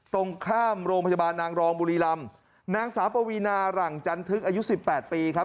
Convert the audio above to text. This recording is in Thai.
ตรงข้ามโรงพยาบาลนางรองบุรีรำนางสาวปวีนาหลังจันทึกอายุสิบแปดปีครับ